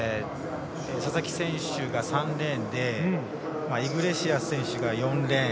佐々木選手が３レーンでイグレシアス選手が４レーン。